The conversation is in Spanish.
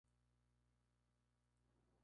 De lo contrario se ignoran los cambios recibidos.